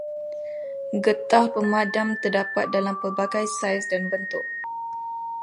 Getah pemadam terdapat dalam pelbagai saiz dan bentuk.